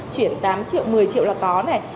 chuyển tám triệu một mươi triệu là có này